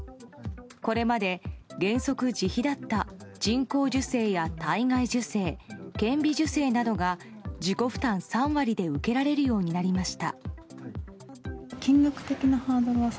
これまで原則自費だった人工授精や体外受精顕微授精などが、自己負担３割で受けられるようになりました。